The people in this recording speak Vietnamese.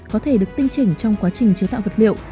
có thể được tinh chỉnh trong quá trình chế tạo vật liệu